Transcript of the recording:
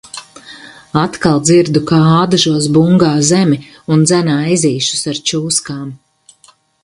Atkal dzirdu, kā Ādažos bungā zemi un dzenā ezīšus ar čūskām.